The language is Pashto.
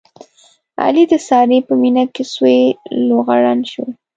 علي د سارې په مینه کې سوی لوغړن شو.